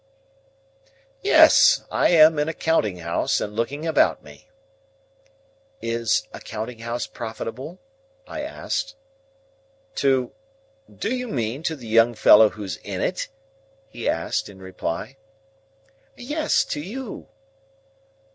"Yes. I am in a counting house, and looking about me." "Is a counting house profitable?" I asked. "To—do you mean to the young fellow who's in it?" he asked, in reply. "Yes; to you."